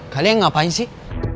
kalian ngapain sih